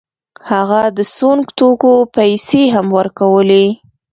هغه د سونګ توکو پیسې هم ورکولې.